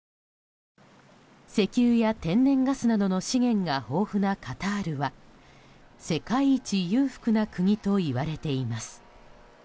石油や天然ガスなどの資源が豊富なカタールは世界一裕福な国といわれています。